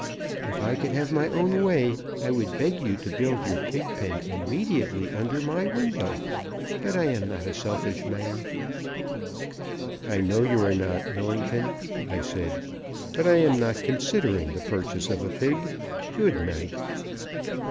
If I could have my own way I would beg you to build your pig pen immediately under my window. But I am not a selfish man." "I know you are not, Millington," I said; "but I am not considering the purchase of a pig. Good night!"